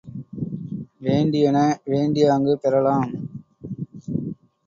வேண்டியன வேண்டியாங்கு பெறலாம்.